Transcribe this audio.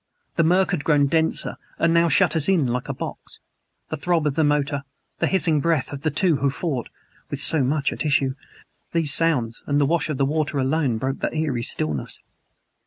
The murk had grown denser and now shut us in like a box. The throb of the motor the hissing breath of the two who fought with so much at issue these sounds and the wash of the water alone broke the eerie stillness.